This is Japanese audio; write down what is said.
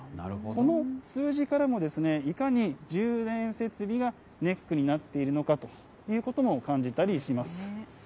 この数字からも、いかに充電設備がネックになっているのかということも感じたりします。